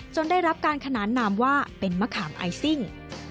ได้รับการขนานนามว่าเป็นมะขามไอซิ่ง